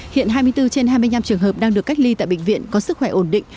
hiện hai mươi bốn trên hai mươi năm trường hợp đang được cách ly tại bệnh viện có sức khỏe ổn định